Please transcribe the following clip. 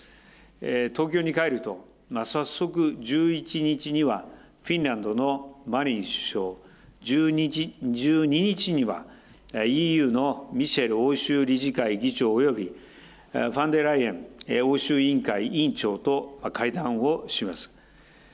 東京に帰ると、早速１１日には、フィンランドのマリン首相、１２日には、ＥＵのミシェル欧州理事会議長およびフォンデアライエン欧州委員会委員長と会談をします。